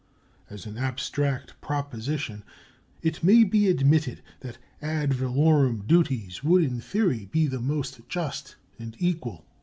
As an abstract proposition it may be admitted that ad valorem duties would in theory be the most just and equal.